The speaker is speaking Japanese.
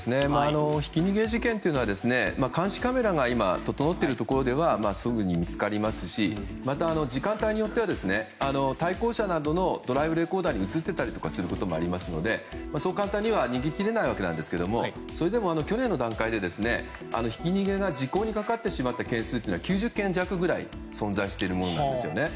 ひき逃げ事件というのは今、監視カメラが整っているところではすぐに見つかりますしまた、時間帯によっては対向車などがドライブレコーダーに映っていたりすることもありますのでそう簡単には逃げきれないわけですけれどもそれでも去年の段階でひき逃げが時効にかかってしまった件数が９０件弱ぐらい存在しているんですね。